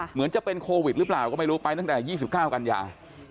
เหมือนจะเป็นโควิดหรือเปล่าก็ไม่รู้ไปตั้งแต่๒๙กันยา